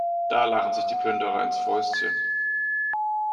Da lachen sich die Plünderer ins Fäustchen.